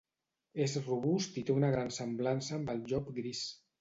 És robust i té una gran semblança amb el llop gris.